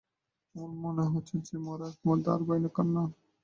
আমার মনে হচ্ছে যেন মরার মধ্যে আরো ভয়ানক কান্না।